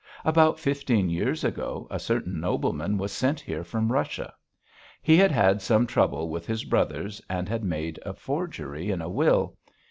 About fifteen years ago a certain nobleman was sent here from Russia. He had had some trouble with his brothers and had made a forgery in a will.